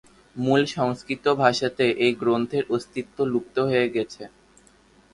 মূল সংস্কৃত ভাষাতে এই গ্রন্থের অস্তিত্ব লুপ্ত হয়ে গেছে।